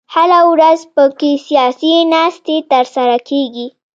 هره ورځ په کې سیاسي ناستې تر سره کېږي.